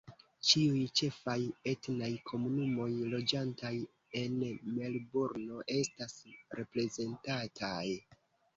Ĉiuj ĉefaj etnaj komunumoj loĝantaj en Melburno estas reprezentataj.